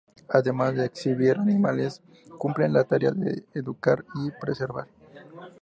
Además de exhibir animales, cumple la tarea de educar y preservar.